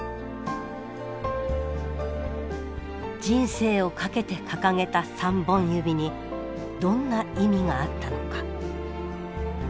人生を懸けて掲げた３本指にどんな意味があったのか。